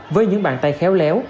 với những bàn tay khéo léo